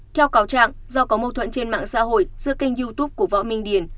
theo cáo trạng do có mâu thuẫn trên mạng xã hội giữa kênh youtube của võ minh điển